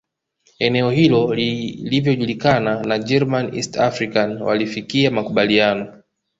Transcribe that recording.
Eneo hilo lilivyojulikana na German East Africa walifikia makubaliano